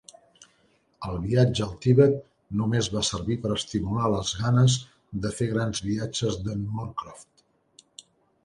El viatge al Tibet només va servir per estimular les ganes de fer grans viatges de"n Moorcroft.